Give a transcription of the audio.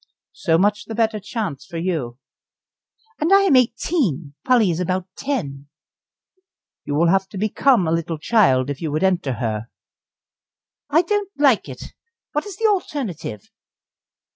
"So much the better chance for you." "And I am eighteen, Polly is about ten." "You will have to become a little child if you would enter her." "I don't like it. What is the alternative?"